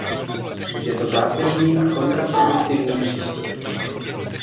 Je to zákeřný a kontraproduktivní přístup.